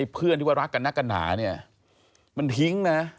เพื่อนที่ว่ารักกันนักกันหนาเนี่ยมันทิ้งนะ